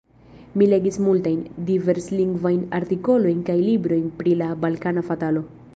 Mi legis multajn, diverslingvajn artikolojn kaj librojn pri la balkana fatalo.